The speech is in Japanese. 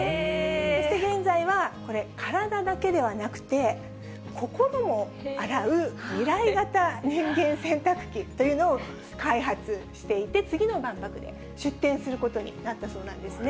そして現在はこれ、体だけではなくて、心も洗う未来型人間洗濯機というのを開発していて、次の万博で出展することになったそうなんですね。